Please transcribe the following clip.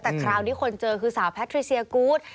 แต่คราวนี้คนเจอคือสาวแพทริเซียกูธ